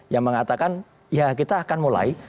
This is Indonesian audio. yang mengatakan ya kita akan mulai